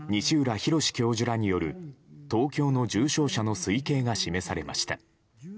博教授らによる東京の重症者の推計が示されました。